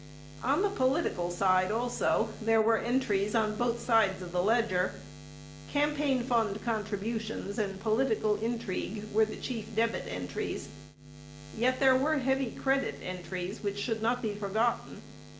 On the political side, also, there were entries on both sides of the ledger. Campaign fund contributions and political intrigue were the chief debit entries. Yet there were heavy credit entries which should not be forgotten.